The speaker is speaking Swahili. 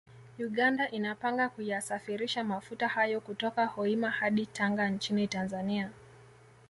Uganda inapanga kuyasafirisha mafuta hayo kutoka Hoima hadi Tanga nchini Tanzania